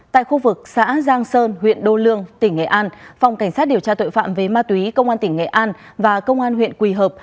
tại khu vực xã giang sơn huyện đô lương tỉnh nghệ an phòng cảnh sát điều tra tội phạm về ma túy công an tỉnh nghệ an và công an huyện quỳ hợp